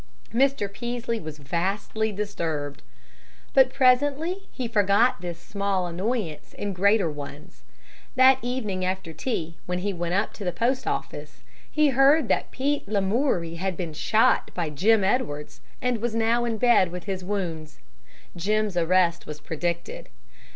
Mr. Peaslee was vastly disturbed. But presently he forgot this small annoyance in greater ones. That evening after tea, when he went up to the post office, he heard that Pete Lamoury had been shot by Jim Edwards, and was now in bed with his wounds. Jim's arrest was predicted.